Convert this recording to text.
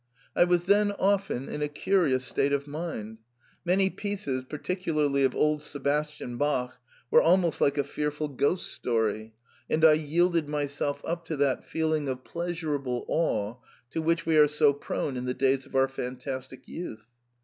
I was then often in a curious state of mind ; many pieces particularly of old Sebastian Bach were almost like a fearful ghost story, and I yielded myself up to that feeling of pleasurable awe to which we are so prone in the days of our fantastic youth.